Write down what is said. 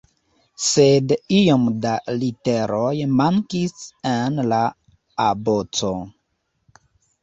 Sed iom da literoj mankis en la aboco.